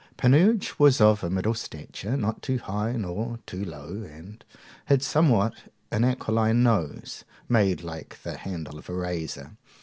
Panurge was of a middle stature, not too high nor too low, and had somewhat an aquiline nose, made like the handle of a razor.